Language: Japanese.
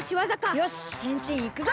よしへんしんいくぞ！